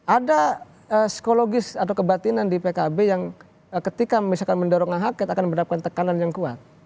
ada psikologis atau kebatinan di pkb yang ketika misalkan mendorong hak kita akan mendapatkan tekanan yang kuat